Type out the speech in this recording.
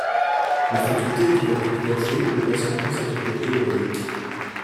La Faculté est ouverte au clergé, aux personnes consacrées et aux laïcs.